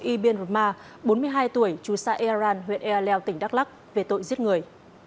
ibn rumah bốn mươi hai tuổi trù xa iran huyện ealel tỉnh đắk lắc về tội giết người